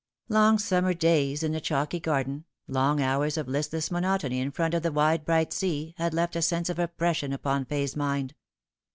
Long summer days in the chalky garden, long hours of listless monotony in front of the wide bright sea, had left a sense of oppression upon Fay's mind.